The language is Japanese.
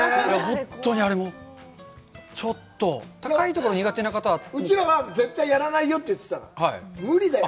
ほんとにあれもうちょっと高い所苦手な方はうちらは絶対やらないよって言ってたから無理だよ